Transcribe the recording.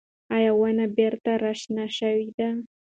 ایا ونه بېرته راشنه شوې ده؟